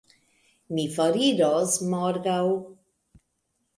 Mi foriros morgaŭ.